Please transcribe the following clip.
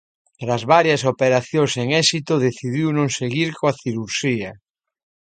Tras varias operacións sen éxito decidiu non seguir coa cirurxía.